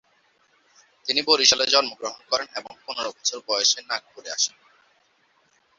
তিনি বরিশালে জন্মগ্রহণ করেন এবং পনেরো বছর বয়সে নাগপুরে আসেন।